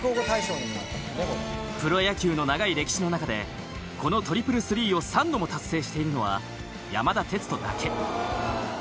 プロ野球の長い歴史の中でこのトリプルスリーを３度も達成しているのは山田哲人だけ。